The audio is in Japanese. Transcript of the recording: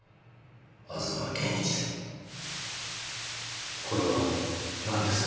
吾妻源一郎」これは何ですか？